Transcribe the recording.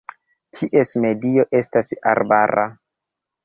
Ties medio estas arbara.